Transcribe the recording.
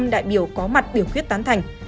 đại biểu có mặt biểu quyết tán thành